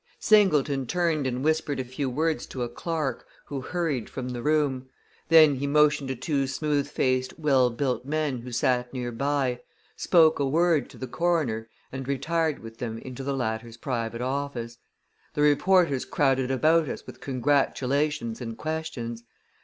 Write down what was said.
Singleton turned and whispered a few words to a clerk, who hurried from the room. Then he motioned to two smooth faced, well built men who sat near by, spoke a word to the coroner, and retired with them into the latter's private office. The reporters crowded about us with congratulations and questions.